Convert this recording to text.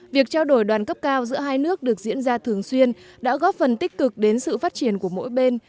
việc trao đổi đoàn cấp cao giữa hai nước được diễn ra thường xuyên đã góp phần tích cực đến sự phát triển của mỗi bên